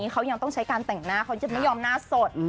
เขายังต้องใช้การแต่งหน้าเขาจะไม่ยอมหน้าสด